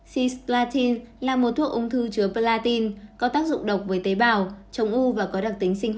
cpltin là một thuốc ung thư chứa platin có tác dụng độc với tế bào chống u và có đặc tính sinh